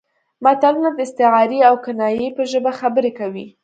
متلونه د استعارې او کنایې په ژبه خبرې کوي